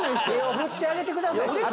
手を振ってあげてください。